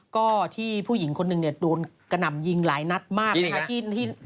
ก็ที่ผู้หญิงคนหนึ่งเนี่ยโดนกระหน่ำยิงหลายนัดมากนะคะ